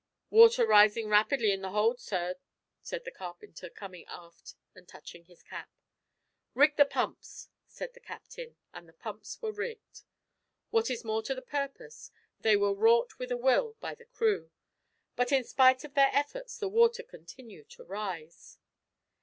"Water rising rapidly in the hold, sir," said the carpenter, coming aft and touching his cap. "Rig the pumps," said the captain, and the pumps were rigged. What is more to the purpose, they were wrought with a will by the crew; but in spite of their efforts the water continued to rise.